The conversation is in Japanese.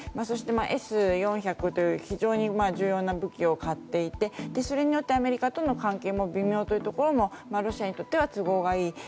そして、Ｓ４００という非常に重要な武器を買っていてそれによってアメリカとの関係も微妙というところもロシアにとっては都合が良い。